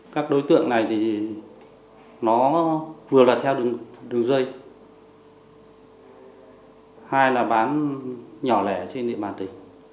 các đối tượng này thì nó vừa là theo đường dây hai là bán nhỏ lẻ trên địa bàn tỉnh